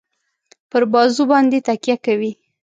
پر بازو باندي تکیه کوي.